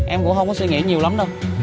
em cũng không có suy nghĩ nhiều lắm đâu